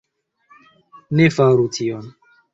Ne faru tion.